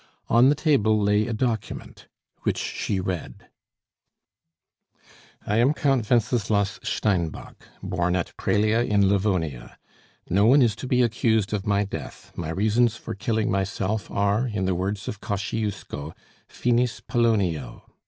On the table lay a document, which she read: "I am Count Wenceslas Steinbock, born at Prelia, in Livonia. "No one is to be accused of my death; my reasons for killing myself are, in the words of Kosciusko, Finis Polonioe!